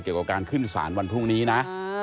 เกี่ยวกับการขึ้นศาลวันพรุ่งนี้นะ